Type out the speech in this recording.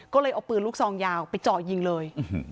ก็เลยเอาปืนลูกซองยาวไปเจาะยิงเลย